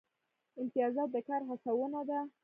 امتیازات د کار هڅونه ده